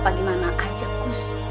pagi mana aja gus